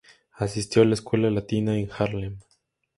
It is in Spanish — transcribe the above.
Asistió a la escuela latina en Haarlem.